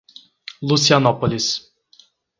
Lucianópolis